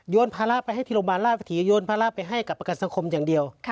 ภาระไปให้ที่โรงพยาบาลราชวิถีโยนภาระไปให้กับประกันสังคมอย่างเดียว